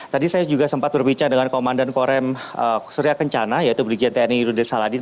tadi saya juga sempat berbicara dengan komandan korem surya kencana yaitu brigjen tni rudin saladin